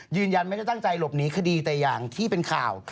ยืนยันไม่ได้ตั้งใจหลบหนีคดีแต่อย่างที่เป็นข่าว